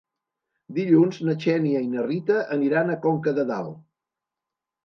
Dilluns na Xènia i na Rita aniran a Conca de Dalt.